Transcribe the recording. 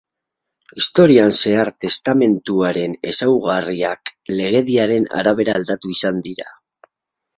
Historian zehar testamentuaren ezaugarriak legediaren arabera aldatu izan dira.